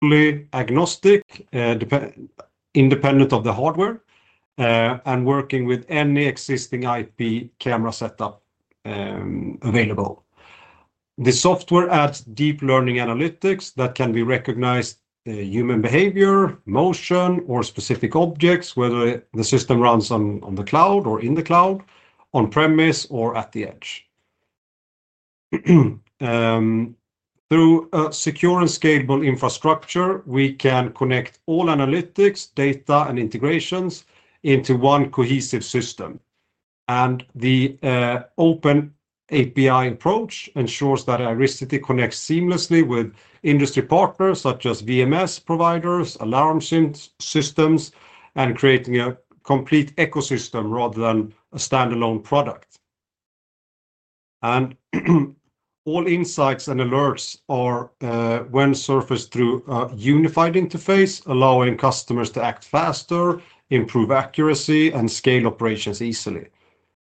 Fully agnostic. Independent of the hardware, and working with any existing IP camera setup. Available. The software adds deep learning analytics that can be recognized: human behavior, motion, or specific objects, whether the system runs on the cloud or in the cloud, on-premise, or at the edge. Through a secure and scalable infrastructure, we can connect all analytics, data, and integrations into one cohesive system. The open API approach ensures that Irisity connects seamlessly with industry partners such as VMS providers, alarm systems, and creating a complete ecosystem rather than a standalone product. All insights and alerts are when surfaced through a unified interface, allowing customers to act faster, improve accuracy, and scale operations easily.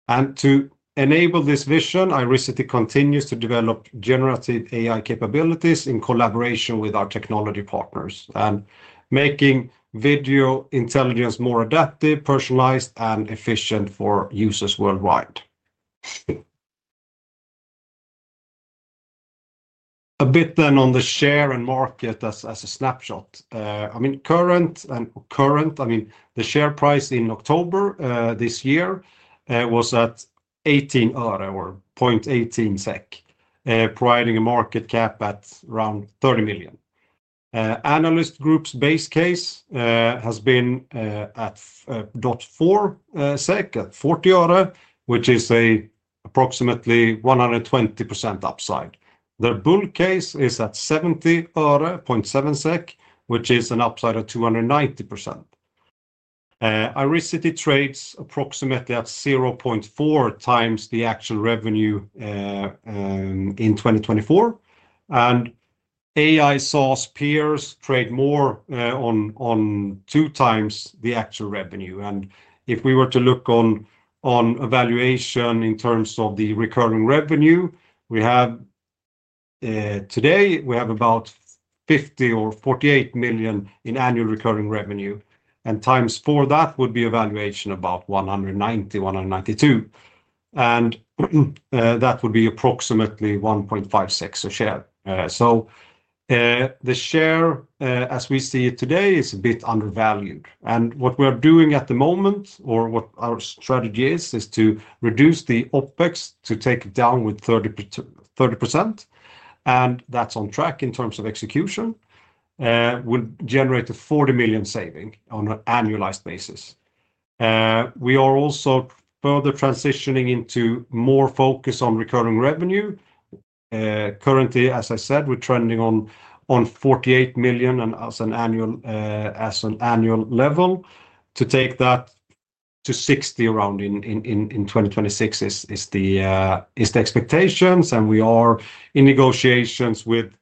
To enable this vision, Irisity continues to develop generative AI capabilities in collaboration with our technology partners, making video intelligence more adaptive, personalized, and efficient for users worldwide. A bit then on the share and market as a snapshot. I mean, current and current, I mean, the share price in October this year was at 0.18 SEK. Providing a market cap at around 30 million. Analyst group's base case has been at 0.40 SEK, at 40, which is approximately 120% upside. Their bull case is at 70, 0.70 SEK, which is an upside of 290%. Irisity trades approximately at 0.4x the actual revenue in 2024. AI SaaS peers trade more on two times the actual revenue. If we were to look on evaluation in terms of the recurring revenue, we have today, we have about 50 million or 48 million in annual recurring revenue. Times four, that would be a valuation about 190 million, 192 million. That would be approximately 1.50 a share. The share, as we see it today, is a bit undervalued. What we are doing at the moment, or what our strategy is, is to reduce the OpEx to take it down by 30%. That is on track in terms of execution. We will generate a 40 million saving on an annualized basis. We are also further transitioning into more focus on recurring revenue. Currently, as I said, we are trending on 48 million as an annual level. To take that to 60 million around 2026 is the expectation. We are in negotiations with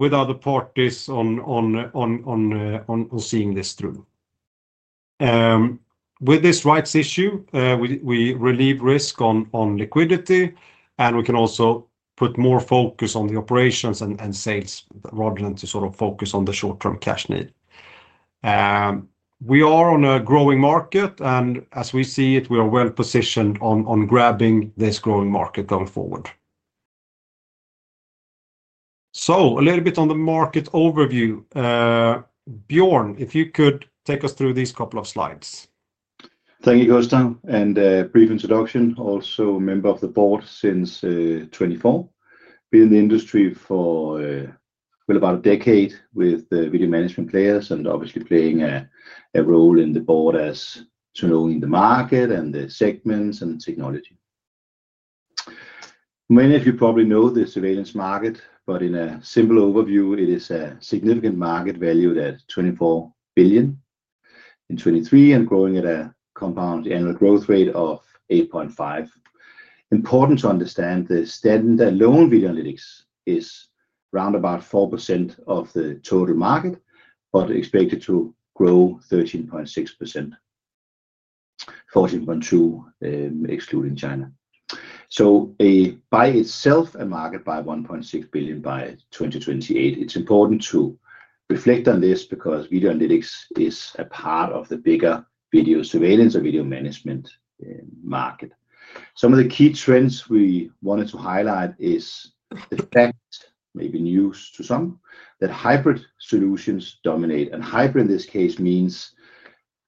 other parties on seeing this through. With this rights issue, we relieve risk on liquidity, and we can also put more focus on the operations and sales rather than to sort of focus on the short-term cash need. We are on a growing market, and as we see it, we are well positioned on grabbing this growing market going forward. A little bit on the market overview. Björn, if you could take us through these couple of slides. Thank you, Gustav. A brief introduction, also a member of the board since 2024. Been in the industry for about a decade with video management players and obviously playing a role in the board as to knowing the market and the segments and technology. Many of you probably know the surveillance market, but in a simple overview, it is a significant market valued at 24 billion in 2023 and growing at a compound annual growth rate of 8.5%. Important to understand the stand-alone video analytics is around 4% of the total market, but expected to grow 13.6%. 14.2% excluding China. By itself, a market by 1.6 billion by 2028. It is important to reflect on this because video analytics is a part of the bigger video surveillance or video management market. Some of the key trends we wanted to highlight is the fact, maybe news to some, that hybrid solutions dominate. Hybrid in this case means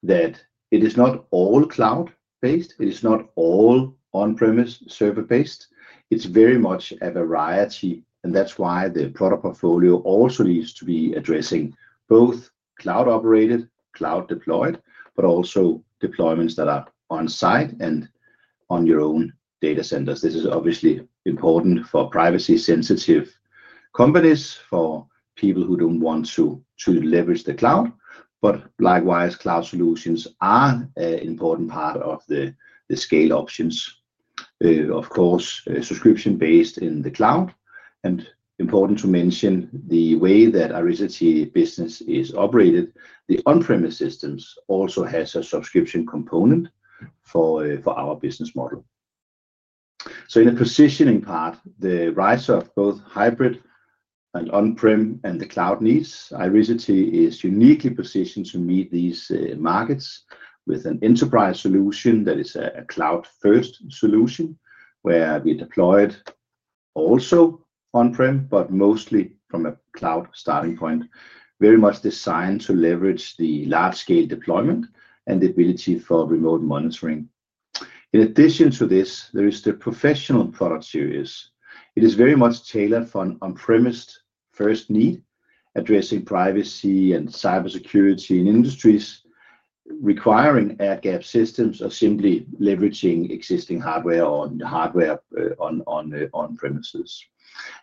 that it is not all cloud-based. It is not all on-premise server-based. It is very much a variety. That is why the product portfolio also needs to be addressing both cloud-operated, cloud-deployed, but also deployments that are on-site and on your own data centers. This is obviously important for privacy-sensitive companies, for people who do not want to leverage the cloud. Likewise, cloud solutions are an important part of the scale options. Of course, subscription-based in the cloud. It is important to mention the way that Irisity business is operated, the on-premise systems also have a subscription component for our business model. In the positioning part, the rise of both hybrid and on-prem and the cloud needs, Irisity is uniquely positioned to meet these markets with an enterprise solution that is a cloud-first solution where we deployed. Also on-prem, but mostly from a cloud starting point, very much designed to leverage the large-scale deployment and the ability for remote monitoring. In addition to this, there is the professional product series. It is very much tailored for on-premise first need, addressing privacy and cybersecurity in industries requiring air-gapped systems or simply leveraging existing hardware or hardware. On-premises.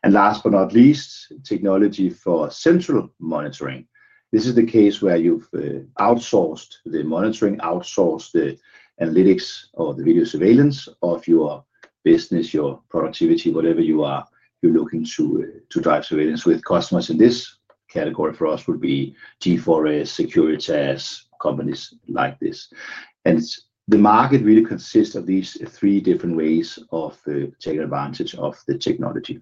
Last but not least, technology for central monitoring. This is the case where you've outsourced the monitoring, outsourced the analytics or the video surveillance of your business, your productivity, whatever you are looking to drive surveillance with customers. This category for us would be G4S, Securitas, companies like this. The market really consists of these three different ways of taking advantage of the technology.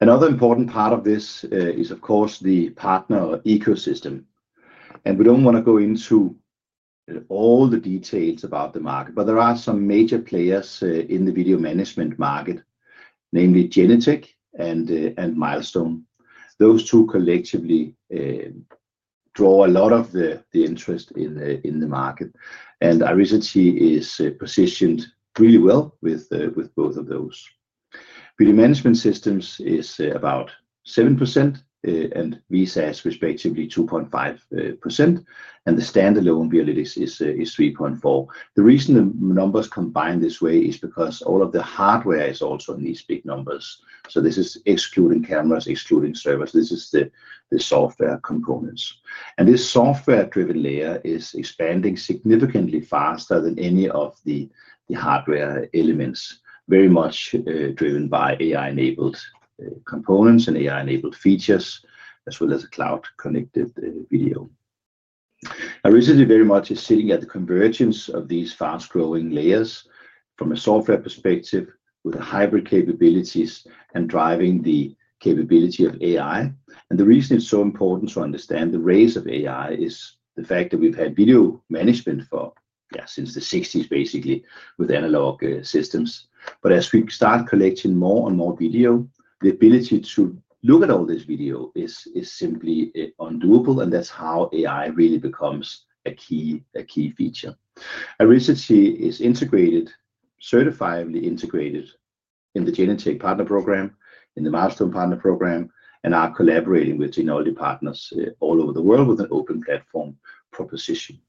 Another important part of this is, of course, the partner ecosystem. We do not want to go into all the details about the market, but there are some major players in the video management market, namely Genetec and Milestone. Those two collectively draw a lot of the interest in the market. Irisity is positioned really well with both of those. Video management systems is about 7% and VSAS, respectively, 2.5%. The standalone analytics is 3.4%. The reason the numbers combine this way is because all of the hardware is also in these big numbers. This is excluding cameras, excluding servers. This is the software components. This software-driven layer is expanding significantly faster than any of the hardware elements, very much driven by AI-enabled components and AI-enabled features, as well as cloud-connected video. Irisity very much is sitting at the convergence of these fast-growing layers from a software perspective with hybrid capabilities and driving the capability of AI. The reason it is so important to understand the rise of AI is the fact that we have had video management for, yeah, since the 1960s, basically, with analog systems. As we start collecting more and more video, the ability to look at all this video is simply undoable. That is how AI really becomes a key feature. Irisity is certifiably integrated in the Genetec partner program, in the Milestone partner program, and are collaborating with technology partners all over the world with an open platform proposition.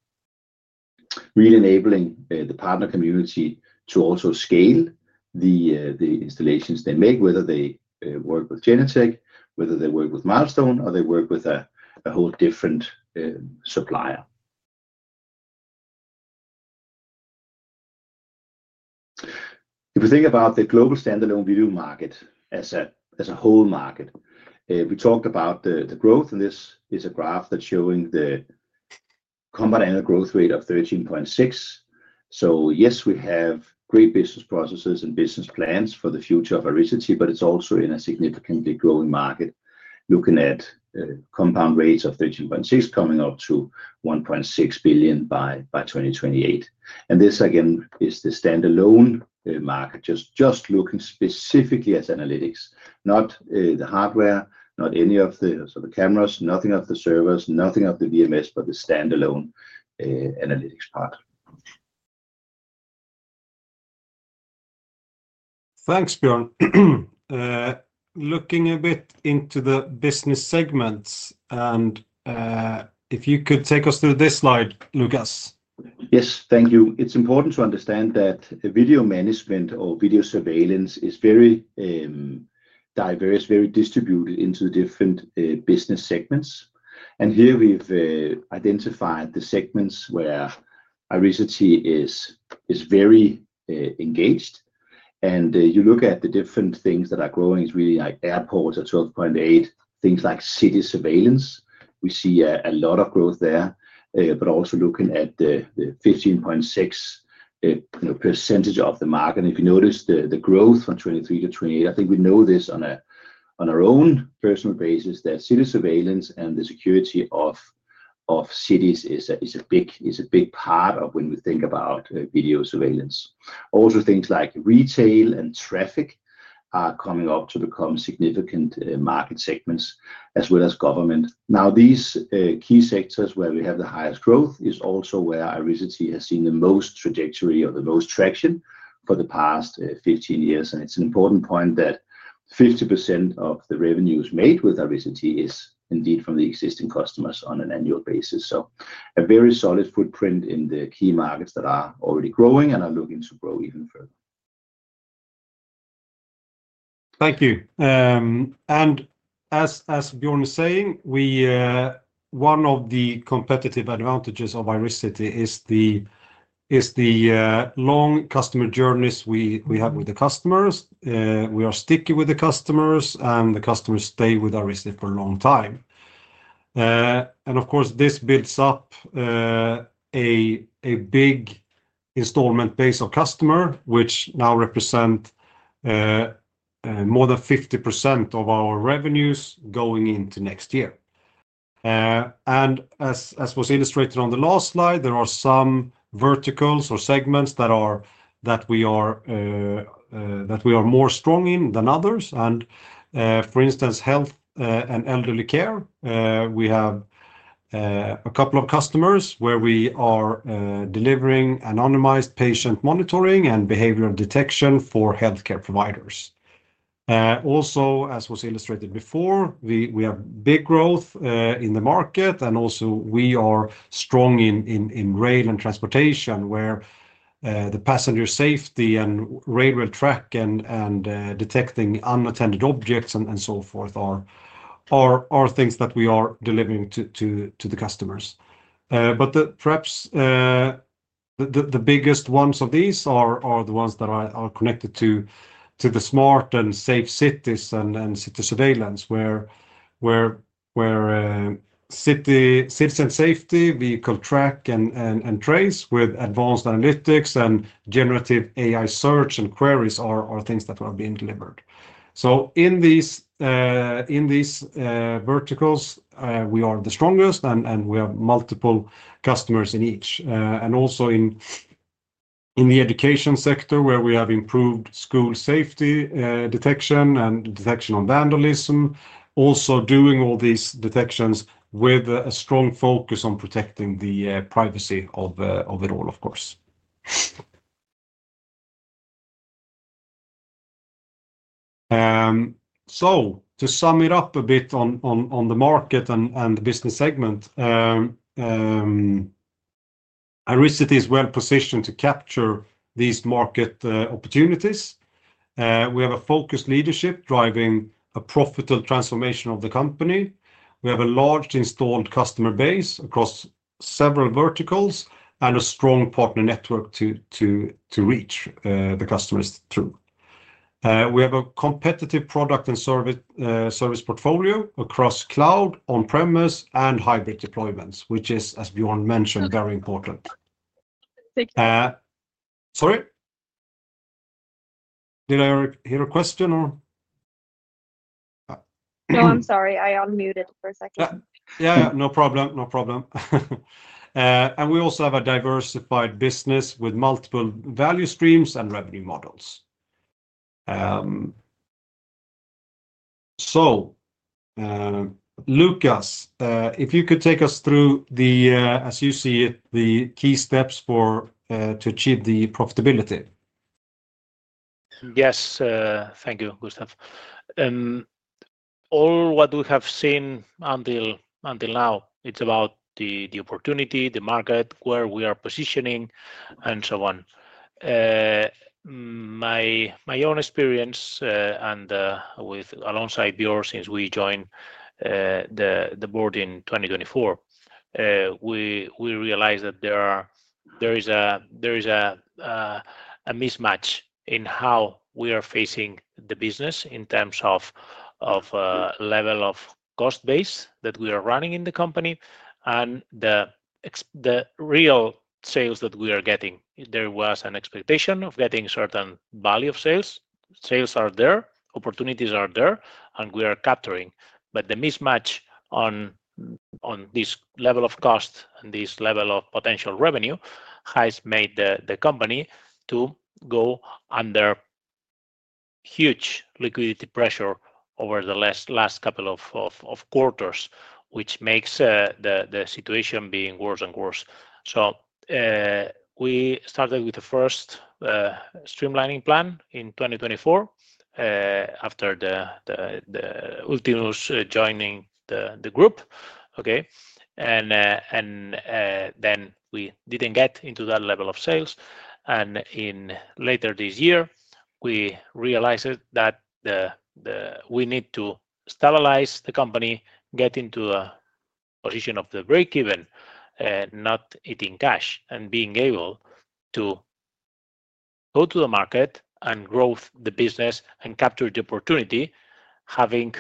Really enabling the partner community to also scale the installations they make, whether they work with Genetec, whether they work with Milestone, or they work with a whole different supplier. If we think about the global standalone video market as a whole market, we talked about the growth, and this is a graph that's showing the compound annual growth rate of 13.6%. Yes, we have great business processes and business plans for the future of Irisity, but it's also in a significantly growing market, looking at compound rates of 13.6% coming up to 1.6 billion by 2028. This, again, is the standalone market, just looking specifically at analytics, not the hardware, not any of the cameras, nothing of the servers, nothing of the VMS, but the standalone analytics part. Thanks, Björn. Looking a bit into the business segments, and if you could take us through this slide, Lucas. Yes, thank you. It's important to understand that video management or video surveillance is very diverse, very distributed into different business segments. Here we've identified the segments where Irisity is very engaged. You look at the different things that are growing, really like airports at 12.8%, things like city surveillance. We see a lot of growth there, but also looking at the 15.6% of the market. If you notice the growth from 2023 to 2028, I think we know this on our own personal basis that city surveillance and the security of cities is a big part of when we think about video surveillance. Also, things like retail and traffic are coming up to become significant market segments, as well as government. Now, these key sectors where we have the highest growth is also where Irisity has seen the most trajectory or the most traction for the past 15 years. It is an important point that 50% of the revenues made with Irisity is indeed from the existing customers on an annual basis. A very solid footprint in the key markets that are already growing and are looking to grow even further. Thank you. As Björn is saying, one of the competitive advantages of Irisity is the long customer journeys we have with the customers. We are sticky with the customers, and the customers stay with Irisity for a long time. Of course, this builds up a big installment base of customers, which now represent more than 50% of our revenues going into next year. As was illustrated on the last slide, there are some verticals or segments that we are more strong in than others. For instance, health and elderly care, we have a couple of customers where we are delivering anonymized patient monitoring and behavioral detection for healthcare providers. Also, as was illustrated before, we have big growth in the market, and also we are strong in rail and transportation, where the passenger safety and railroad track and detecting unattended objects and so forth are. Things that we are delivering to the customers. Perhaps the biggest ones of these are the ones that are connected to the smart and safe cities and city surveillance, where cities and safety, vehicle track and trace with advanced analytics and generative AI search and queries are things that are being delivered. In these verticals, we are the strongest, and we have multiple customers in each. Also in the education sector, where we have improved school safety detection and detection on vandalism, also doing all these detections with a strong focus on protecting the privacy of it all, of course. To sum it up a bit on the market and the business segment, Irisity is well positioned to capture these market opportunities. We have a focused leadership driving a profitable transformation of the company. We have a large installed customer base across several verticals and a strong partner network to reach the customers through. We have a competitive product and service portfolio across cloud, on-premise, and hybrid deployments, which is, as Björn mentioned, very important. Thank you. Sorry? Did I hear a question or? No, I'm sorry. I unmuted for a second. Yeah, no problem. And we also have a diversified business with multiple value streams and revenue models. Lucas, if you could take us through, as you see it, the key steps to achieve the profitability. Yes. Thank you, Gustav. All what we have seen until now, it's about the opportunity, the market, where we are positioning, and so on. My own experience alongside Björn since we joined the board in 2024. We realized that there is a mismatch in how we are facing the business in terms of level of cost base that we are running in the company and the real sales that we are getting. There was an expectation of getting a certain value of sales. Sales are there, opportunities are there, and we are capturing. But the mismatch on this level of cost and this level of potential revenue has made the company go under huge liquidity pressure over the last couple of quarters, which makes the situation be worse and worse. We started with the first streamlining plan in 2024 after the Ultimus joining the group. And. We did not get into that level of sales. Later this year, we realized that we need to stabilize the company, get into a position of break-even, not eating cash, and being able to go to the market and grow the business and capture the opportunity, having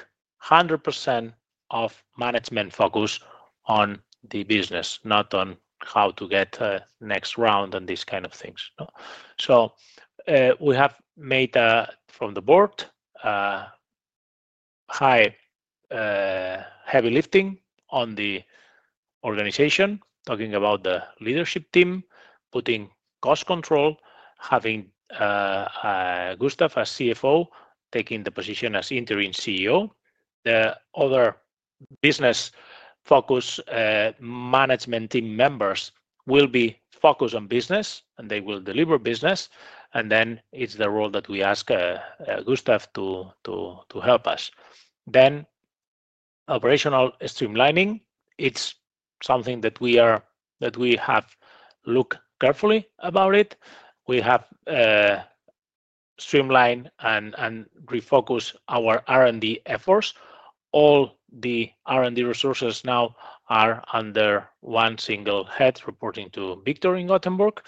100% of management focus on the business, not on how to get the next round and these kinds of things. We have made from the board high, heavy lifting on the organization, talking about the leadership team, putting cost control, having Gustav as CFO, taking the position as Interim CEO. The other business-focused management team members will be focused on business, and they will deliver business. It is the role that we ask Gustav to help us. Operational streamlining is something that we have looked carefully about. We have streamlined and refocused our R&D efforts. All the R&D resources now are under one single head reporting to Victor in Gothenburg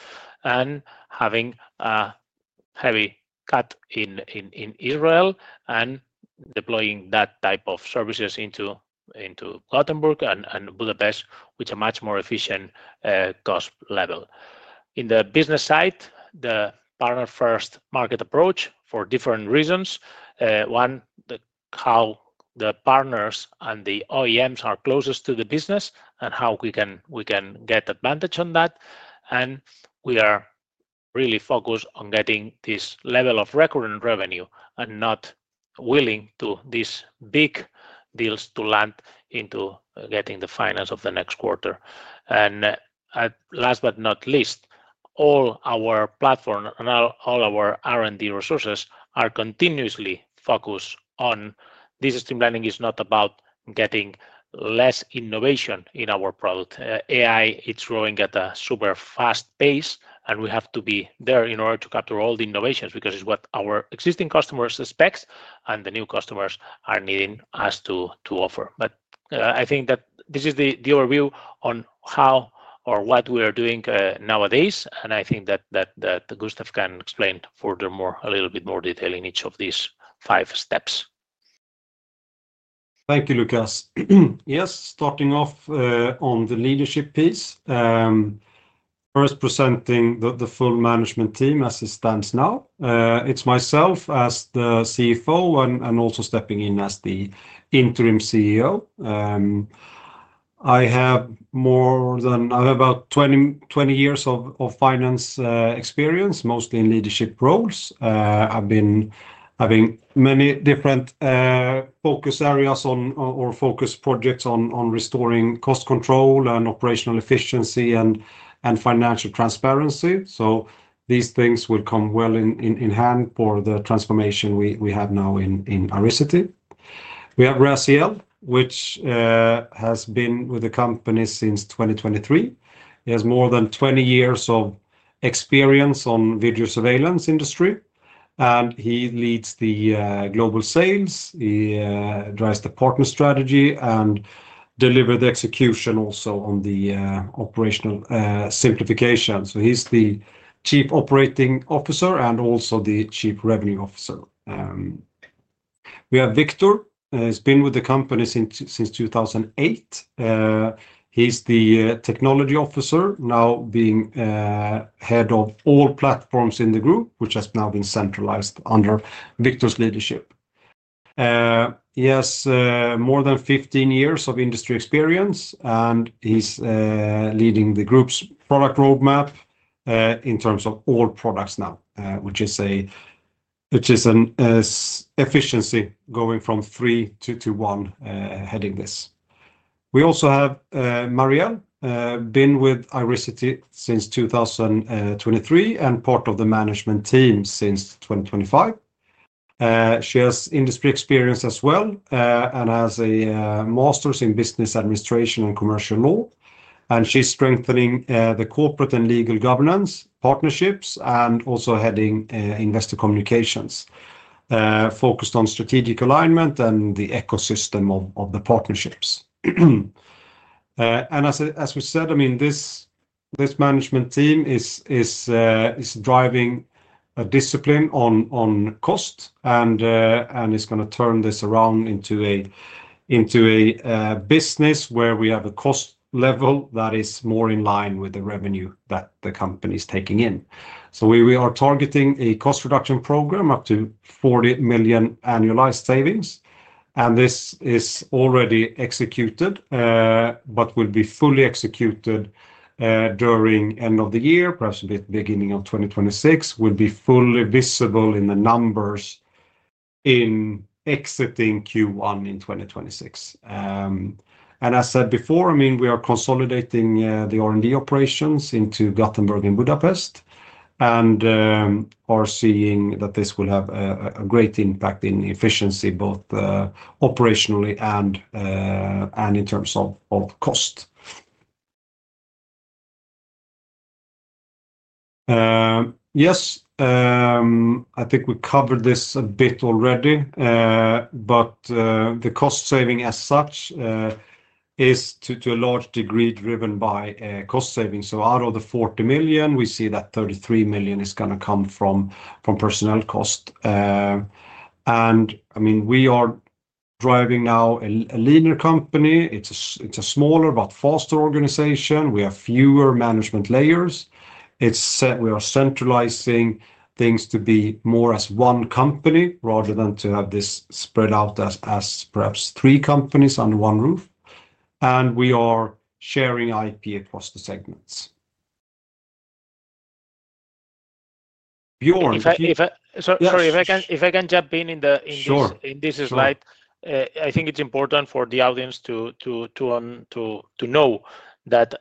and having a heavy cut in Israel and deploying that type of services into Gothenburg and Budapest, which are much more efficient cost level. In the business side, the partner-first market approach for different reasons. One, how the partners and the OEMs are closest to the business and how we can get advantage on that. We are really focused on getting this level of recurrent revenue and not willing to these big deals to land into getting the finance of the next quarter. Last but not least, all our platform and all our R&D resources are continuously focused on. This streamlining is not about getting less innovation in our product. AI, it's growing at a super fast pace, and we have to be there in order to capture all the innovations because it's what our existing customers expect and the new customers are needing us to offer. I think that this is the overview on how or what we are doing nowadays. I think that Gustav can explain furthermore a little bit more detail in each of these five steps. Thank you, Lucas. Yes, starting off on the leadership piece. First, presenting the full management team as it stands now. It's myself as the CFO and also stepping in as the Interim CEO. I have more than about 20 years of finance experience, mostly in leadership roles. I've been having many different focus areas or focus projects on restoring cost control and operational efficiency and financial transparency. These things will come well in hand for the transformation we have now in Irisity. We have Raziel, which has been with the company since 2023. He has more than 20 years of experience on video surveillance industry, and he leads the global sales. He drives the partner strategy and delivers the execution also on the operational simplification. He's the Chief Operating Officer and also the Chief Revenue Officer. We have Victor. He's been with the company since 2008. He's the technology officer, now being Head of all platforms in the group, which has now been centralized under Victor's leadership. He has more than 15 years of industry experience, and he's leading the group's product roadmap. In terms of all products now, which is an efficiency going from three to one heading this. We also have Marianne, been with Irisity since 2023 and part of the management team since 2025. She has industry experience as well and has a master's in business administration and commercial law. She's strengthening the corporate and legal governance partnerships and also heading investor communications. Focused on strategic alignment and the ecosystem of the partnerships. As we said, I mean, this management team is driving discipline on cost, and it's going to turn this around into. A business where we have a cost level that is more in line with the revenue that the company is taking in. We are targeting a cost reduction program up to 40 million annualized savings. This is already executed, but will be fully executed during the end of the year, perhaps beginning of 2026, and will be fully visible in the numbers in exiting Q1 in 2026. As I said before, I mean, we are consolidating the R&D operations into Gothenburg and Budapest and are seeing that this will have a great impact in efficiency, both operationally and in terms of cost. Yes, I think we covered this a bit already, but the cost saving as such is to a large degree driven by cost savings. Out of the 40 million, we see that 33 million is going to come from personnel cost. I mean, we are driving now a leaner company. It's a smaller but faster organization. We have fewer management layers. We are centralizing things to be more as one company rather than to have this spread out as perhaps three companies under one roof. We are sharing IP across the segments. Björn. Sorry, if I can jump in. This slide, I think it's important for the audience to know that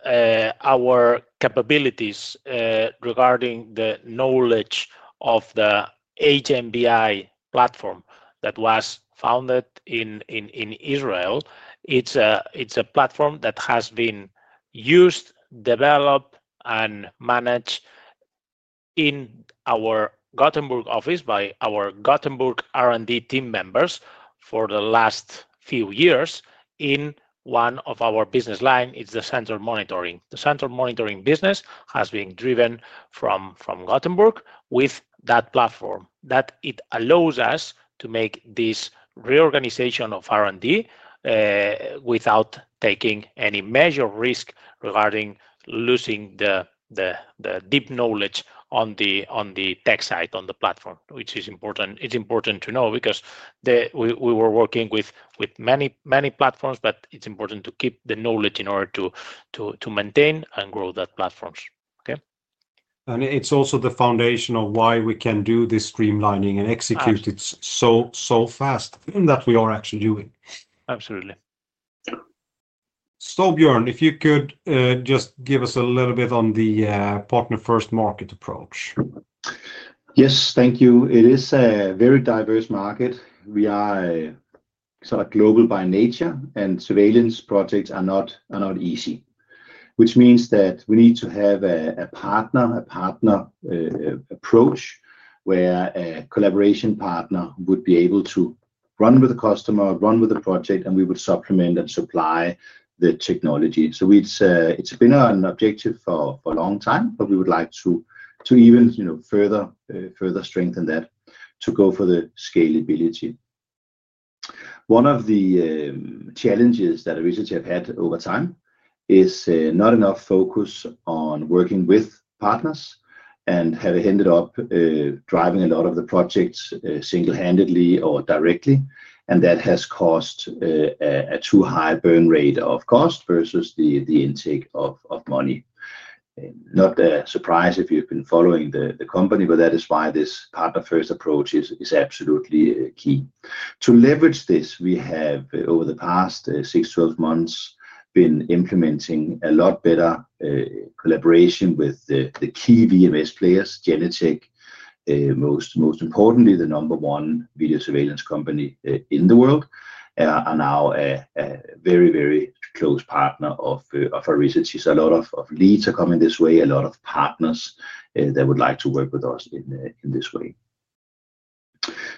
our capabilities regarding the knowledge of the HMBI platform that was founded in Israel. It's a platform that has been used, developed, and managed in our Gothenburg office by our Gothenburg R&D team members for the last few years in one of our business lines. It's the central monitoring. The central monitoring business has been driven from Gothenburg with that platform that allows us to make this reorganization of R&D without taking any major risk regarding losing the deep knowledge on the tech side on the platform, which is important to know because we were working with many platforms, but it's important to keep the knowledge in order to maintain and grow those platforms. It is also the foundation of why we can do this streamlining and execute it so fast that we are actually doing. Absolutely. Björn, if you could just give us a little bit on the partner-first market approach. Yes, thank you. It is a very diverse market. We are sort of global by nature, and surveillance projects are not easy, which means that we need to have a partner approach where a collaboration partner would be able to run with the customer, run with the project, and we would supplement and supply the technology. It has been an objective for a long time, but we would like to even further strengthen that to go for the scalability. One of the challenges that Irisity have had over time is not enough focus on working with partners and have ended up driving a lot of the projects single-handedly or directly. That has caused a too high burn rate of cost versus the intake of money. Not a surprise if you've been following the company, but that is why this partner-first approach is absolutely key. To leverage this, we have, over the past 6, 12 months, been implementing a lot better collaboration with the key VMS players, Genetec. Most importantly, the number one video surveillance company in the world are now a very, very close partner of Irisity. A lot of leads are coming this way, a lot of partners that would like to work with us in this way.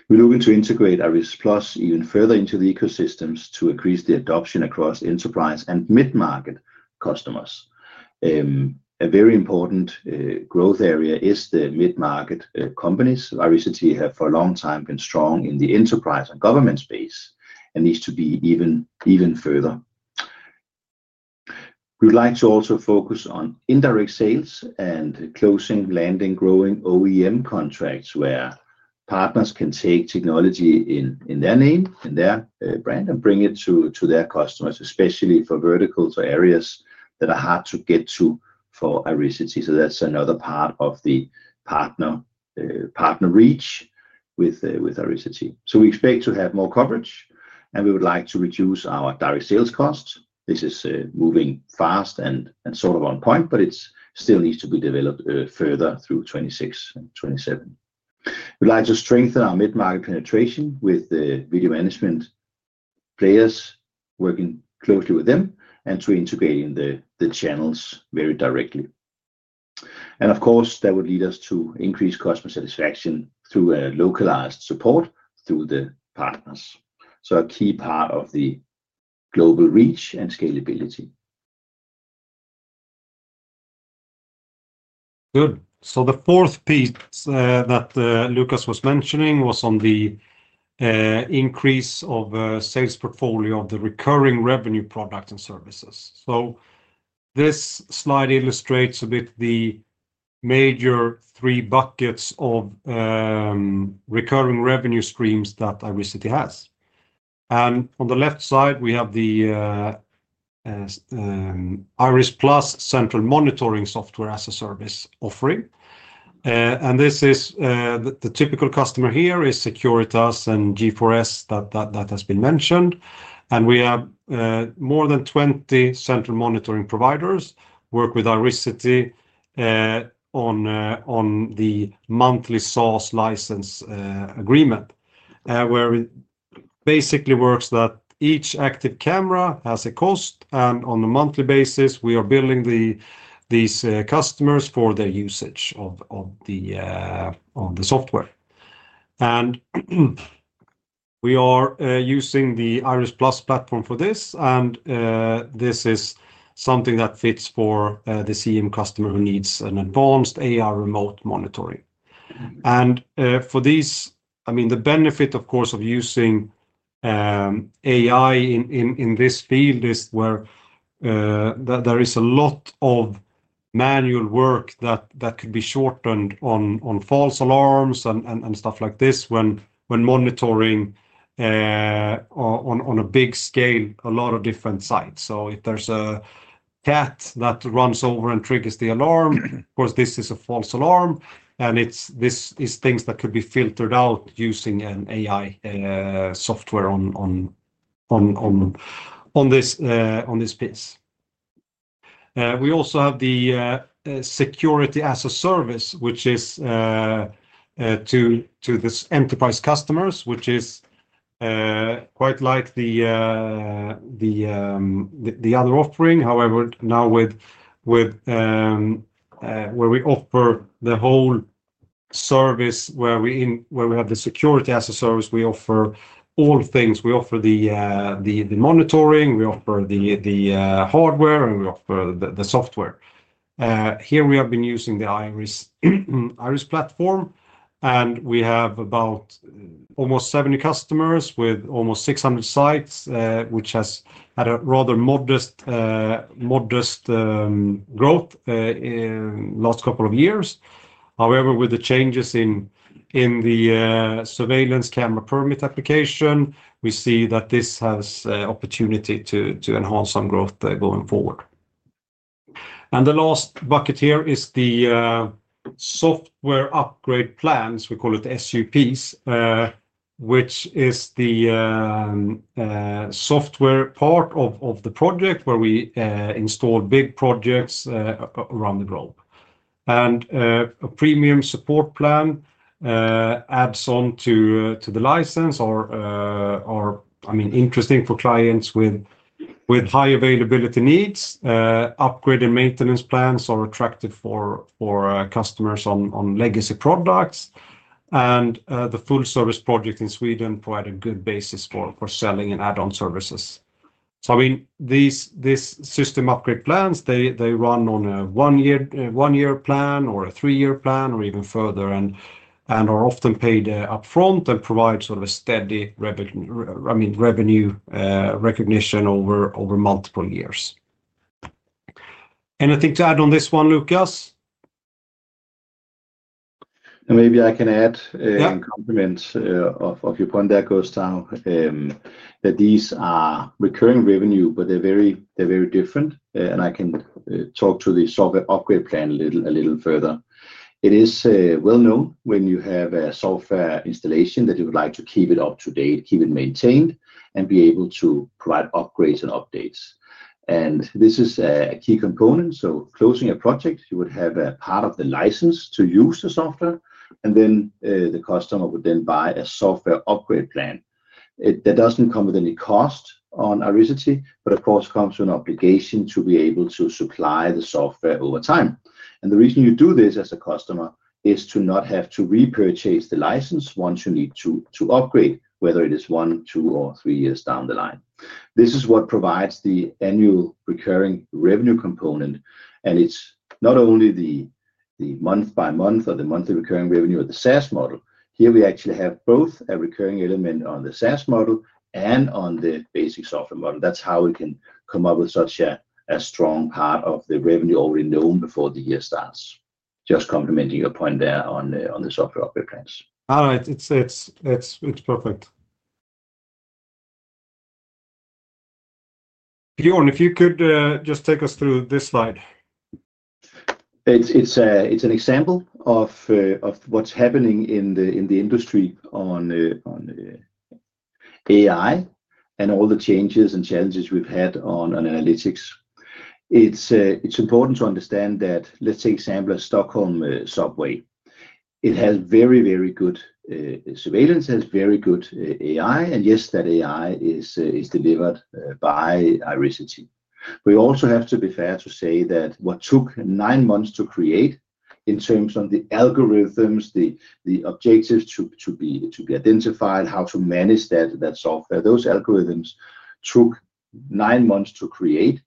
We are looking to integrate IRIS+ even further into the ecosystems to increase the adoption across enterprise and mid-market customers. A very important growth area is the mid-market companies. Irisity has, for a long time, been strong in the enterprise and government space and needs to be even further. We'd like to also focus on indirect sales and closing, landing, growing OEM contracts where partners can take technology in their name, in their brand, and bring it to their customers, especially for verticals or areas that are hard to get to for Irisity. That is another part of the partner reach with Irisity. We expect to have more coverage, and we would like to reduce our direct sales costs. This is moving fast and sort of on point, but it still needs to be developed further through 2026 and 2027. We'd like to strengthen our mid-market penetration with the video management players, working closely with them, and to integrate in the channels very directly. Of course, that would lead us to increase customer satisfaction through localized support through the partners. A key part of the global reach and scalability. Good. The fourth piece that Lucas was mentioning was on the increase of sales portfolio of the recurring revenue products and services. This slide illustrates a bit the major three buckets of recurring revenue streams that Irisity has. On the left side, we have the IRIS+ central monitoring software as a service offering. The typical customer here is Securitas and G4S that has been mentioned. We have more than 20 central monitoring providers work with Irisity on the monthly SaaS license agreement, where it basically works that each active camera has a cost, and on a monthly basis, we are billing these customers for their usage of the software. We are using the IRIS+ platform for this, and this is something that fits for the CM customer who needs an advanced AI remote monitoring. For these, I mean, the benefit, of course, of using AI in this field is where there is a lot of manual work that could be shortened on false alarms and stuff like this when monitoring on a big scale, a lot of different sites. If there is a cat that runs over and triggers the alarm, of course, this is a false alarm. This is things that could be filtered out using an AI software. On this piece, we also have the security as a service, which is to these enterprise customers, which is quite like the other offering. However, now with where we offer the whole service, where we have the security as a service, we offer all things. We offer the monitoring, we offer the hardware, and we offer the software. Here, we have been using the Iris platform, and we have about. Almost 70 customers with almost 600 sites, which has had a rather modest growth in the last couple of years. However, with the changes in the surveillance camera permit application, we see that this has opportunity to enhance some growth going forward. The last bucket here is the software upgrade plans. We call it SUPs, which is the software part of the project where we install big projects around the globe. A premium support plan adds on to the license or, I mean, interesting for clients with high availability needs. Upgrade and maintenance plans are attractive for customers on legacy products. The full-service project in Sweden provided a good basis for selling and add-on services. I mean, these system upgrade plans, they run on a one-year plan or a three-year plan or even further, and are often paid upfront and provide sort of a steady revenue. Recognition over multiple years. Anything to add on this one, Lucas? Maybe I can add in compliment of your point that goes down. These are recurring revenue, but they're very different. I can talk to the software upgrade plan a little further. It is well known when you have a software installation that you would like to keep it up to date, keep it maintained, and be able to provide upgrades and updates. This is a key component. Closing a project, you would have a part of the license to use the software, and then the customer would then buy a software upgrade plan. That does not come with any cost on Irisity, but of course, comes with an obligation to be able to supply the software over time. The reason you do this as a customer is to not have to repurchase the license once you need to upgrade, whether it is one, two, or three years down the line. This is what provides the annual recurring revenue component. It is not only the month-by-month or the monthly recurring revenue of the SaaS model. Here, we actually have both a recurring element on the SaaS model and on the basic software model. That is how we can come up with such a strong part of the revenue already known before the year starts. Just complementing your point there on the software upgrade plans. All right. It's perfect. Björn, if you could just take us through this slide. It's an example of what's happening in the industry on AI and all the changes and challenges we've had on analytics. It's important to understand that, let's take example of Stockholm Subway. It has very, very good surveillance, has very good AI. Yes, that AI is delivered by Irisity. We also have to be fair to say that what took nine months to create in terms of the algorithms, the objectives to be identified, how to manage that software, those algorithms took nine months to create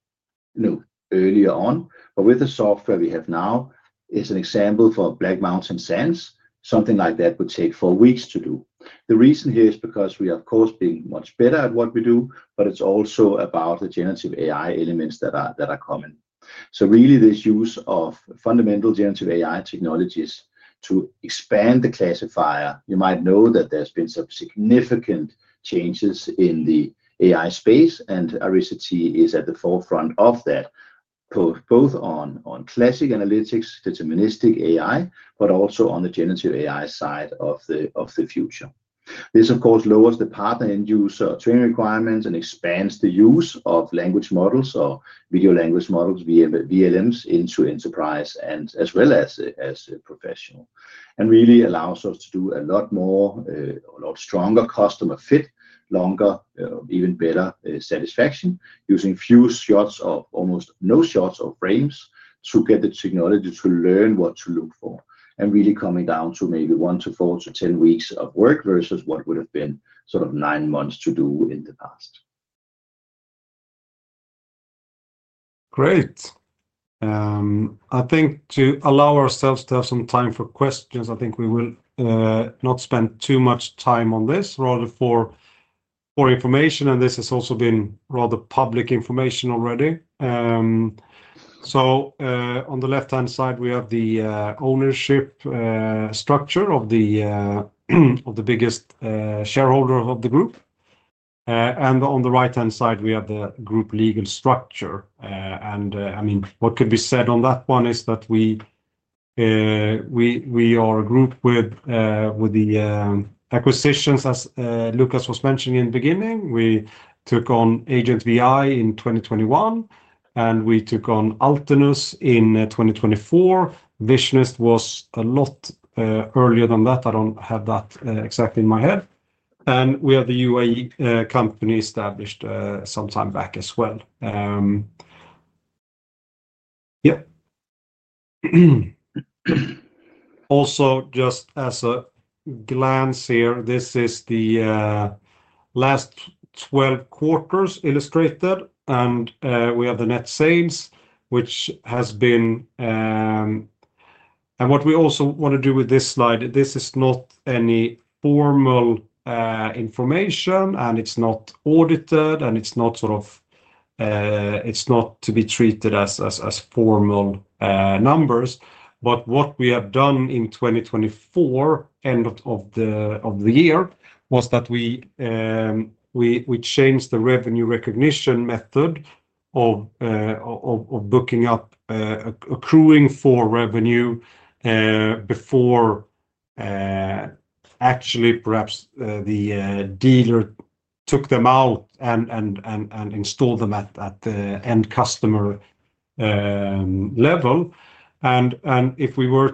earlier on. With the software we have now, it's an example for Black Mountain Sands, something like that would take four weeks to do. The reason here is because we are, of course, being much better at what we do, but it's also about the generative AI elements that are common. Really, this use of fundamental generative AI technologies to expand the classifier, you might know that there's been some significant changes in the AI space, and Irisity is at the forefront of that. Both on classic analytics, deterministic AI, but also on the generative AI side of the future. This, of course, lowers the partner end-user training requirements and expands the use of language models or video language models, VLMs, into enterprise as well as professional. It really allows us to do a lot more, a lot stronger customer fit, longer, even better satisfaction, using few shots of almost no shots of frames to get the technology to learn what to look for. Really coming down to maybe one to four to ten weeks of work versus what would have been sort of nine months to do in the past. Great. I think to allow ourselves to have some time for questions, I think we will not spend too much time on this, rather for information. And this has also been rather public information already. On the left-hand side, we have the ownership structure of the biggest shareholder of the group. On the right-hand side, we have the group legal structure. I mean, what could be said on that one is that we are a group with the acquisitions, as Lucas was mentioning in the beginning. We took on Agent Vi in 2021, and we took on Altenes in 2024. Visionist was a lot earlier than that. I do not have that exactly in my head. We have the UAE company established some time back as well. Yeah. Also, just as a glance here, this is the last 12 quarters illustrated. We have the net sales, which has been. What we also want to do with this slide, this is not any formal information, and it's not audited, and it's not sort of. It's not to be treated as formal numbers. What we have done in 2024, end of the year, was that we changed the revenue recognition method of booking up, accruing for revenue before actually, perhaps, the dealer took them out and installed them at the end customer level. If we were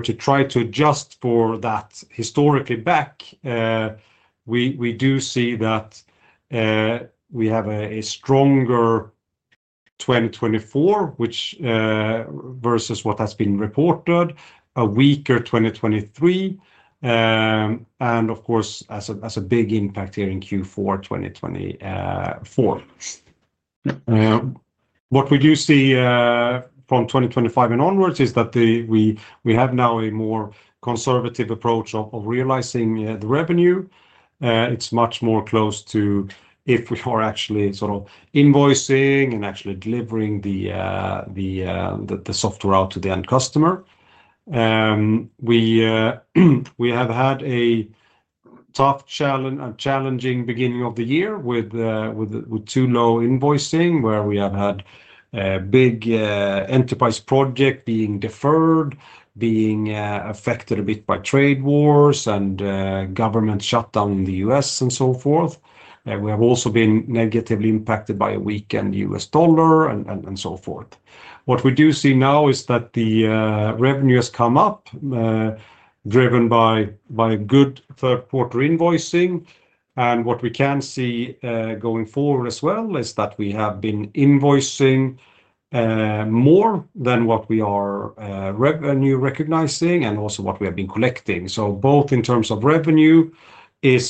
to try to adjust for that historically back, we do see that we have a stronger 2024 versus what has been reported, a weaker 2023. Of course, as a big impact here in Q4 2024. What we do see from 2025 and onwards is that we have now a more conservative approach of realizing the revenue. It's much more close to if we are actually sort of invoicing and actually delivering the software out to the end customer. We have had a tough, challenging beginning of the year with too low invoicing, where we have had big enterprise projects being deferred, being affected a bit by trade wars and government shutdown in the US and so forth. We have also been negatively impacted by a weakened U.S. dollar and so forth. What we do see now is that the revenue has come up, driven by good third-quarter invoicing. What we can see going forward as well is that we have been invoicing more than what we are revenue recognizing and also what we have been collecting. Both in terms of revenue, the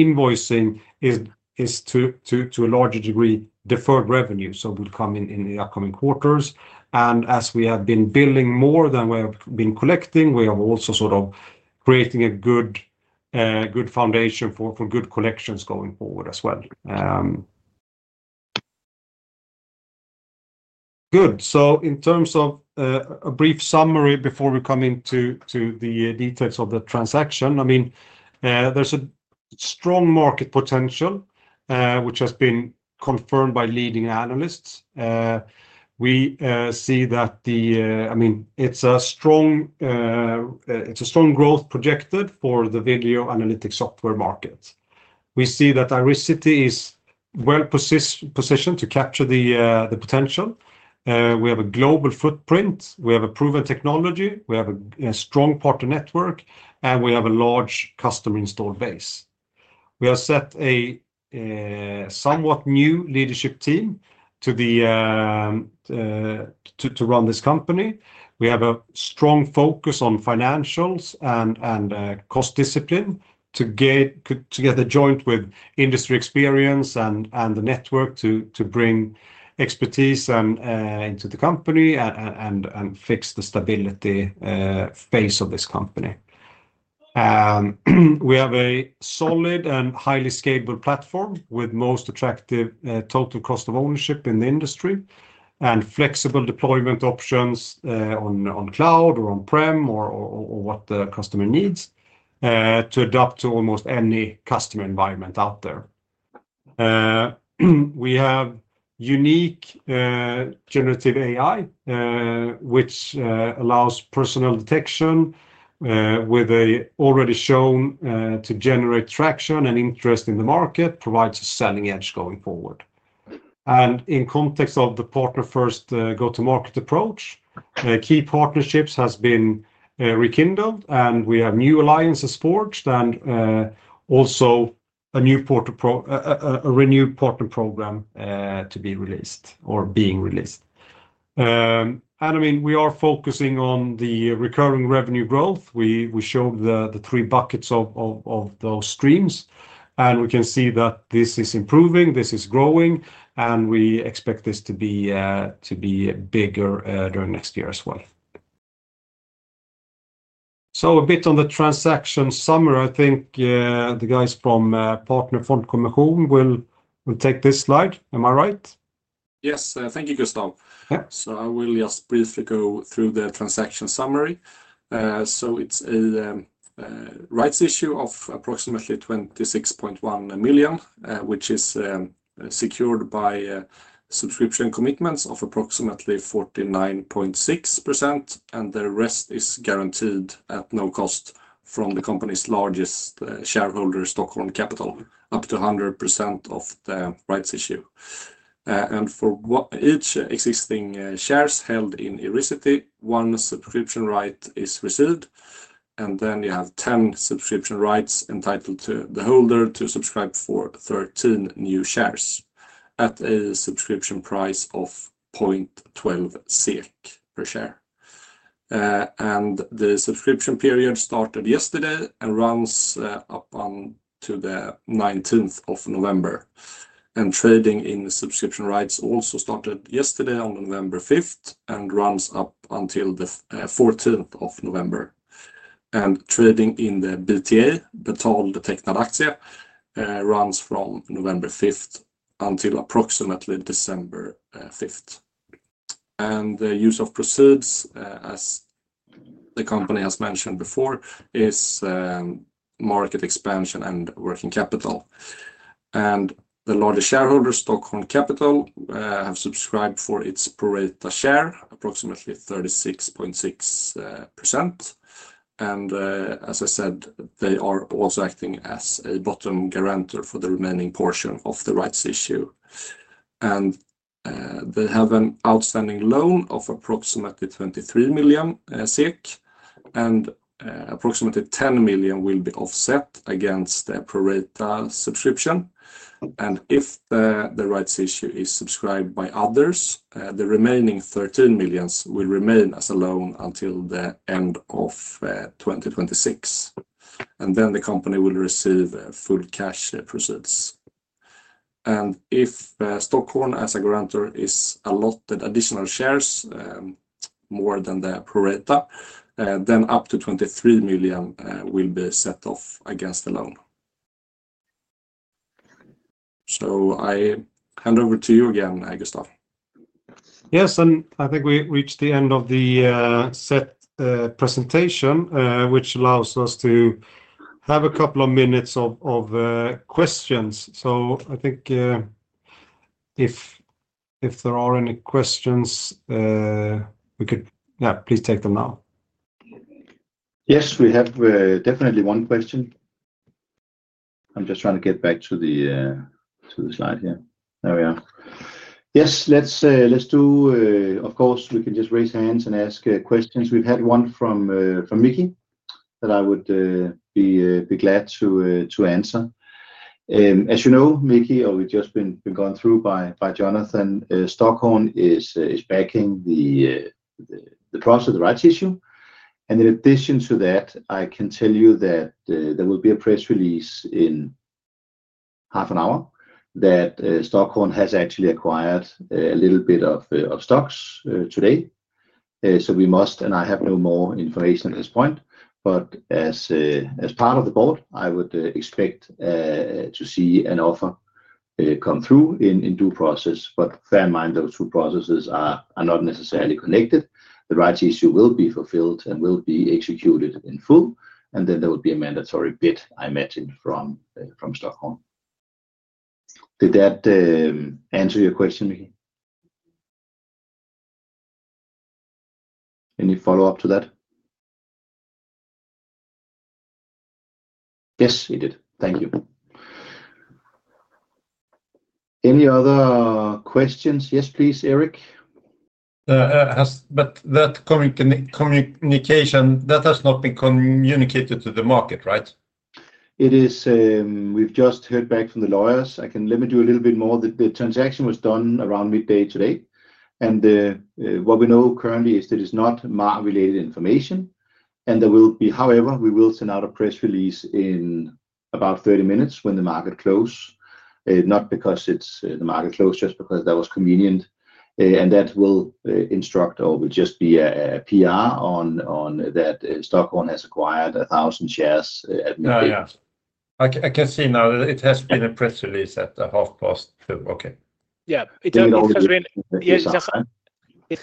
invoicing is to a larger degree deferred revenue, so it will come in the upcoming quarters. As we have been billing more than we have been collecting, we are also sort of creating a good foundation for good collections going forward as well. In terms of a brief summary before we come into the details of the transaction, I mean, there is a strong market potential, which has been confirmed by leading analysts. We see that, I mean, it is a strong growth projected for the video analytics software market. We see that Irisity is well positioned to capture the potential. We have a global footprint. We have a proven technology. We have a strong partner network, and we have a large customer installed base. We have set a somewhat new leadership team to run this company. We have a strong focus on financials and cost discipline to. Get the joint with industry experience and the network to bring expertise into the company and fix the stability phase of this company. We have a solid and highly scalable platform with most attractive total cost of ownership in the industry and flexible deployment options on cloud or on-prem or what the customer needs to adapt to almost any customer environment out there. We have unique generative AI, which allows personal detection, with an already shown to generate traction and interest in the market, provides a selling edge going forward. In context of the partner-first go-to-market approach, key partnerships have been rekindled, and we have new alliances forged and also a renewed partner program to be released or being released. I mean, we are focusing on the recurring revenue growth. We showed the three buckets of those streams, and we can see that this is improving, this is growing, and we expect this to be bigger during next year as well. A bit on the transaction summary, I think the guys from [Pareto Fondkommission] will take this slide. Am I right? Yes. Thank you, Gustav. I will just briefly go through the transaction summary. It is a rights issue of approximately 26.1 million, which is secured by subscription commitments of approximately 49.6%, and the rest is guaranteed at no cost from the company's largest shareholder, Stockholm Capital, up to 100% of the rights issue. For each existing share held in Irisity, one subscription right is received, and then you have 10 subscription rights entitling the holder to subscribe for 13 new shares at a subscription price of 0.12 SEK per share. The subscription period started yesterday and runs up until the 19th of November. Trading in subscription rights also started yesterday on November 5th and runs up until the 14th of November. Trading in the BTA, Betald Tecknad Aktie, runs from November 5th until approximately December 5th. The use of proceeds, as the company has mentioned before, is market expansion and working capital. The larger shareholders, Stockholm Capital, have subscribed for its Pareto share, approximately 36.6%. As I said, they are also acting as a bottom guarantor for the remaining portion of the rights issue. They have an outstanding loan of approximately 23 million SEK, and approximately 10 million will be offset against the Pareto subscription. If the rights issue is subscribed by others, the remaining 13 million will remain as a loan until the end of 2026. The company will receive full cash proceeds. If Stockholm, as a guarantor, is allotted additional shares more than Pareto, then up to 23 million will be set off against the loan. I hand over to you again, Gustav. Yes. I think we reached the end of the set presentation, which allows us to have a couple of minutes of questions. I think if there are any questions, we could, yeah, please take them now. Yes, we have definitely one question. I'm just trying to get back to the slide here. There we are. Yes, let's do, of course, we can just raise hands and ask questions. We've had one from Mickey that I would be glad to answer. As you know, Mickey, or we've just been gone through by Jonathan, Stockholm is backing the trust of the rights issue. In addition to that, I can tell you that there will be a press release in half an hour that Stockholm has actually acquired a little bit of stocks today. We must, and I have no more information at this point, but as part of the board, I would expect to see an offer come through in due process. Bear in mind, those two processes are not necessarily connected. The rights issue will be fulfilled and will be executed in full, and then there will be a mandatory bid, I imagine, from Stockholm. Did that answer your question, Mickey? Any follow-up to that? Yes, it did. Thank you. Any other questions? Yes, please, Eric. That communication, that has not been communicated to the market, right? It is. We've just heard back from the lawyers. I can limit you a little bit more. The transaction was done around midday today. What we know currently is that it's not related information. However, we will send out a press release in about 30 minutes when the market closes. Not because the market closed, just because that was convenient. That will instruct or will just be a PR on that Stockholm has acquired 1,000 shares at midday. I can see now that it has been a press release at half past two. Okay. Yeah. It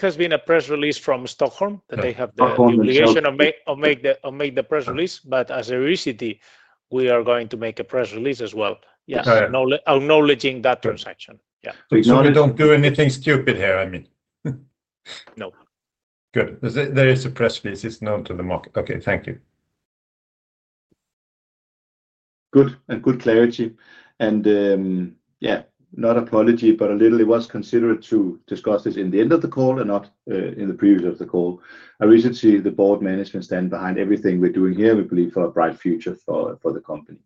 has been a press release from Stockholm that they have the obligation of making the press release. As Irisity, we are going to make a press release as well. Yes. Acknowledging that transaction. Yeah. You don't do anything stupid here, I mean. No. Good. There is a press release. It is known to the market. Okay. Thank you. Good. Good clarity. Not apology, but a little it was considered to discuss this in the end of the call and not in the previous of the call. I recently see the board management stand behind everything we are doing here. We believe for a bright future for the company.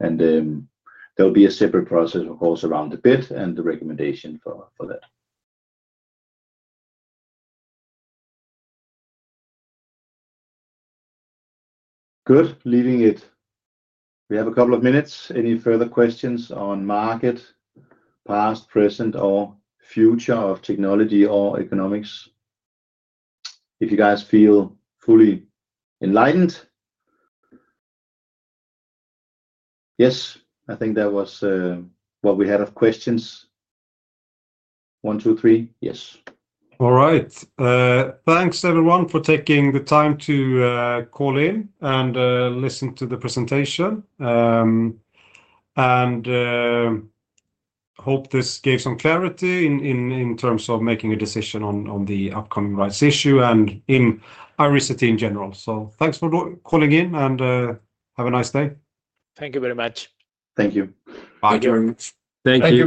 There will be a separate process, of course, around the bid and the recommendation for that. Good. Leaving it. We have a couple of minutes. Any further questions on market, past, present, or future of technology or economics? If you guys feel fully enlightened. Yes. I think that was what we had of questions. One, two, three. Yes. All right. Thanks, everyone, for taking the time to call in and listen to the presentation. Hope this gave some clarity in terms of making a decision on the upcoming rights issue and in Irisity in general. Thanks for calling in and have a nice day. Thank you very much. Thank you. Thank you very much. Thank you.